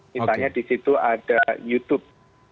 misalnya di situ ada youtube